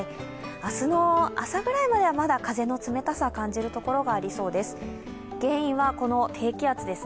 明日の朝ぐらいまではまだ風の冷たさ、感じる所がありそうです。